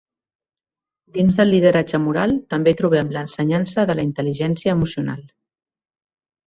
Dins del lideratge moral també trobem l’ensenyança de la intel·ligència emocional.